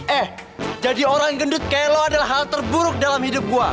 eh jadi orang yang gendut kayak lo adalah hal terburuk dalam hidup gue